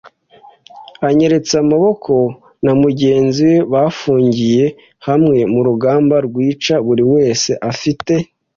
anyeretse Amaboko na mugenzi we bafungiye hamwe murugamba rwica, buri wese afite